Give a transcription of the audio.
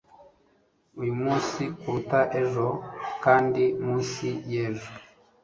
uyu munsi kuruta ejo kandi munsi y'ejo